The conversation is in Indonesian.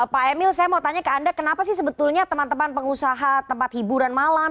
pak emil saya mau tanya ke anda kenapa sih sebetulnya teman teman pengusaha tempat hiburan malam